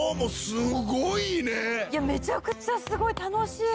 めちゃくちゃすごい楽しい！